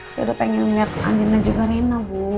saya udah pengen liat andina juga rena bu